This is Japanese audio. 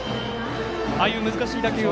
ああいう難しい打球は。